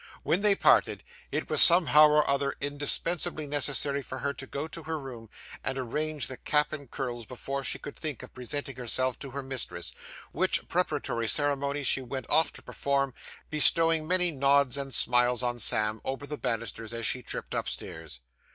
When they parted, it was somehow or other indispensably necessary for her to go to her room, and arrange the cap and curls before she could think of presenting herself to her mistress; which preparatory ceremony she went off to perform, bestowing many nods and smiles on Sam over the banisters as she tripped upstairs.